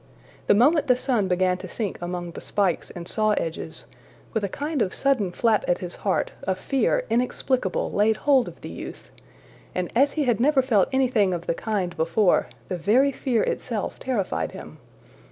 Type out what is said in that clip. The moment the sun began to sink among the spikes and saw edges, with a kind of sudden flap at his heart a fear inexplicable laid hold of the youth; and as he had never felt anything of the kind before, the very fear itself terrified him.